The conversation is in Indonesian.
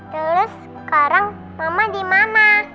terus sekarang mama dimana